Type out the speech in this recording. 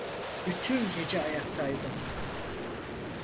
Bütün gece ayaktaydım.